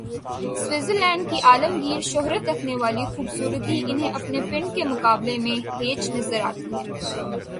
Switzer land کی عالمگیر شہرت رکھنے والی خوب صورتی انہیں اپنے "پنڈ" کے مقابلے میں ہیچ نظر آتی ہے۔